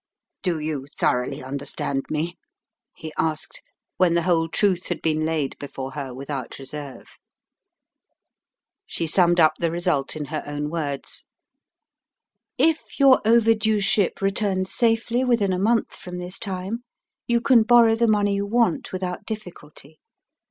"Do you thoroughly understand me?" he asked, when the whole truth had been laid before her without reserve. She summed up the result in her own words: "If your overdue ship returns safely within a month from this time, you can borrow the money you want without difficulty.